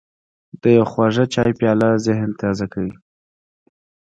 د یو خواږه چای پیاله ذهن تازه کوي.